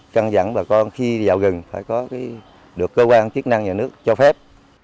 căn dặn bà con khi vào rừng phải có được cơ quan chức năng nhà nước cho phép